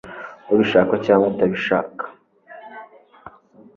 ubishaka cyangwa utabishaka